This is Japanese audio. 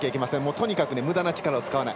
とにかく、むだな力を使わない。